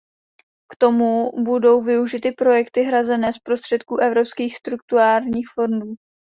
K tomu budou využity projekty hrazené z prostředků evropských strukturálních fondů.